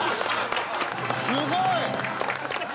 すごい。